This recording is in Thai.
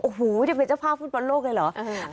โอ้โหนี่เป็นเจ้าภาพฟุตบอลโลกเลยเหรอ